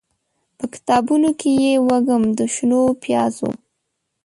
به کتابونوکې یې، وږم د شنو پیازو